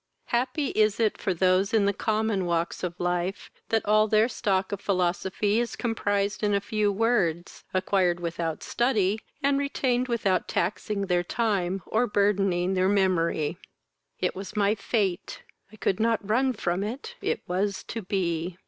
Happy is it for those in the common walks of life, that all their stock of philosophy is comprised in a few words, acquired without study, and retained without taxing their time or burthening their memory, "it was my fate, I could not run from it, it was to be."